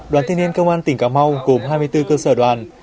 đoàn thanh niên công an tỉnh cá mau cùng hai mươi bốn cơ sở đoàn